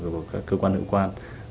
của cơ quan hữu quan